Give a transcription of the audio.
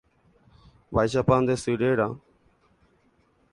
Mba'éichapa nde sy réra.